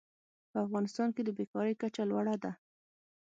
په افغانستان کې د بېکارۍ کچه لوړه ده.